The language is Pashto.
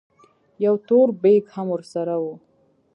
يو تور بېګ هم ورسره و.